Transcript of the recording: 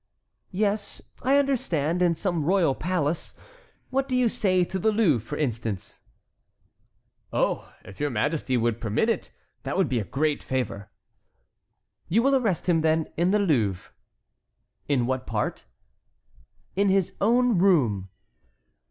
"Yes, I understand, in some royal palace; what do you say to the Louvre, for instance?" "Oh, if your majesty would permit it, that would be a great favor." "You will arrest him, then, in the Louvre." "In what part?" "In his own room."